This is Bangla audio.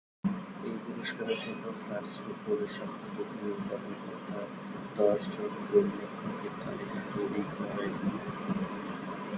এই পুরস্কারের জন্য "ফ্রান্স ফুটবলের" সম্পাদকীয় কর্মকর্তা দশ জন গোলরক্ষকের তালিকা তৈরি করেন।